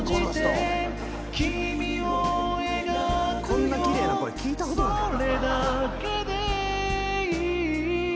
こんな奇麗な声聞いたことない。